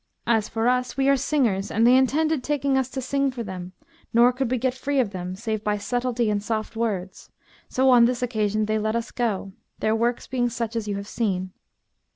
As for us, we are singers, and they intended taking us to sing for them, nor could we get free of them, save by subtlety and soft words; so on this occasion they let us go, their works being such as you have seen.'